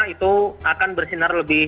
itu akan bersinar lebih